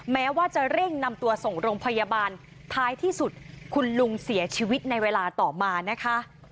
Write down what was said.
แม้ว่าจะเร่งนำตัวส่งโรงพยาบาลท้ายที่สุดคุณลุงเสียชีวิตในเวลาต่อมานะคะ